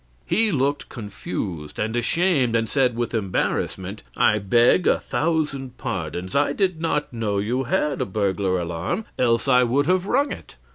"He looked confused and ashamed, and said, with embarrassment: 'I beg a thousand pardons. I did not know you had a burglar alarm, else I would have rung it.